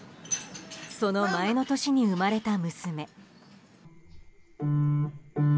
その前の年に生まれた娘。